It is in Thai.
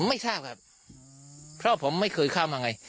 ไม่ทราบครับเพราะผมไม่เคยข้ามมาไง